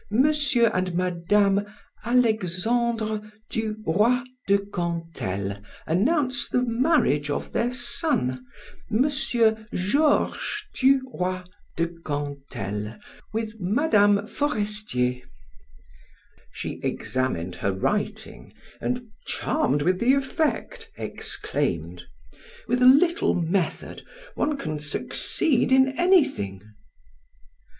and Mme. Alexandre du Roy de Cantel announce the marriage of their son, M. Georges du Roy de Cantel with Mme. Forestier." She examined her writing, and, charmed with the effect, exclaimed: "With a little method one can succeed in anything."